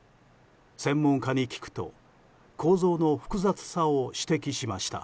専門家に聞くと構造の複雑さを指摘しました。